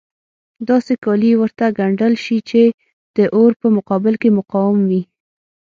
داسې کالي ورته ګنډل شي چې د اور په مقابل کې مقاوم وي.